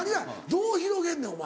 どう広げんねんお前。